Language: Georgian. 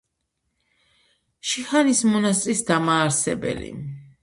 შიჰანის მონასტრის დამაარსებელი.